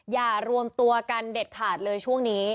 อย่ารวมตัวกันเด็ดขาดเลยช่วงนี้